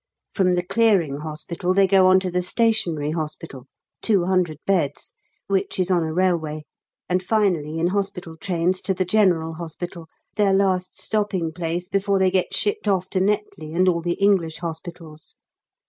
From the Clearing Hospital they go on to the Stationary Hospital 200 beds which is on a railway, and finally in hospital trains to the General Hospital, their last stopping place before they get shipped off to Netley and all the English hospitals.